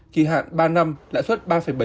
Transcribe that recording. kỳ hạn ba năm lãi suất ba bảy